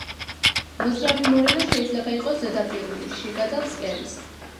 მოძრავი მორენა შეიძლება იყოს ზედაპირული, შიგა და ფსკერის.